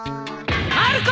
まる子！